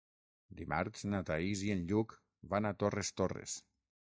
Dimarts na Thaís i en Lluc van a Torres Torres.